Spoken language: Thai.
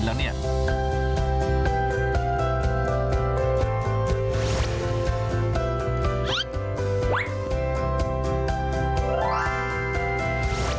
เวลาออกมาเป็นชิ้น